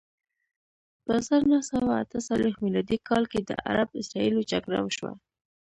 په زر نه سوه اته څلویښت میلادي کال کې د عرب اسراییلو جګړه وشوه.